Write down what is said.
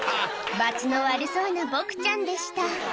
・ばつの悪そうなボクちゃんでした